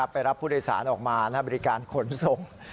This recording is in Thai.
ไปรับผู้โดยสารออกมาบริการขนส่ง